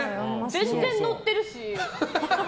全然乗ってるし。